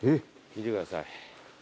見てください。